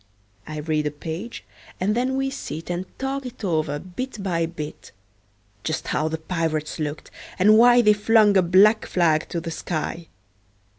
I read a page, and then we sit And talk it over, bit by bit; Just how the pirates looked, and why They flung a black flag to the sky.